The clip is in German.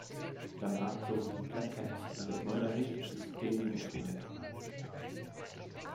Danach zogen die "Black Cats" in das neu errichtete Stadium of Light um.